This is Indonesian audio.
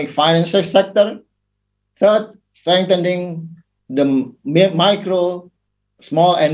ketiga memperkuat sektor pengembangan kecil dan sederhana